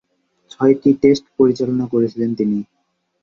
ছয়টি টেস্ট পরিচালনা করেছিলেন তিনি।